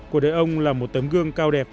cuộc đời ông là một tấm gương cao đẹp